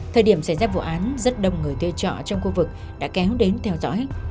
thời điểm xảy ra vụ án rất đông người thuê trọ trong khu vực đã kéo đến theo dõi